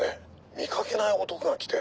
見かけない男が来て」